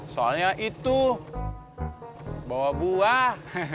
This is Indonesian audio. soalnya itu bawa buah